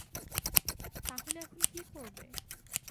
তাহলে এখন কি করবে?